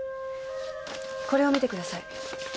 これを見てください。